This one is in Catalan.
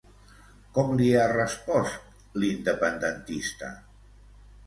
Com li ha respost l'independentista?